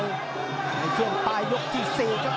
กลายเปลี่ยนปลายยกที่๔ครับ